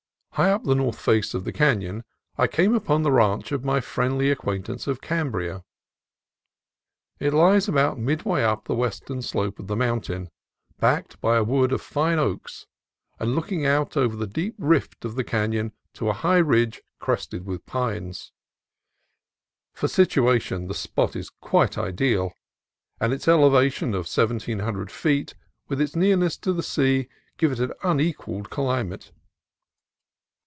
High up on the north face of the canon I came upon the ranch of my friendly acquaintance of Cambria. It lies about midway up the western slope of the mountain, backed by a wood of fine oaks, and look ing out over the deep rift of the canon to a high ridge crested with pines. For situation the spot is quite ideal, and its elevation of seventeen hundred feet, with its nearness to the sea, give it an unequalled climate.